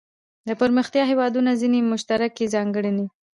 د پرمختیايي هیوادونو ځینې مشترکې ځانګړنې.